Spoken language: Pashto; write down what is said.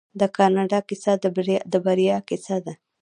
د کاناډا کیسه د بریا کیسه ده.